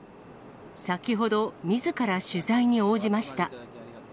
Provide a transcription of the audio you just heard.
先ほど、みずから取材に応じました。